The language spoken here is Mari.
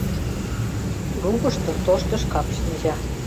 Лукышто тошто шкап шинча.